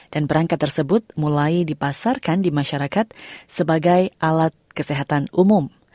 dan perangkat tersebut mulai dipasarkan di masyarakat sebagai alat kesehatan umum